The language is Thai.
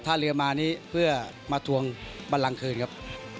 ถ้าเรือมานี้เพื่อมาทวงบันลังคืนครับ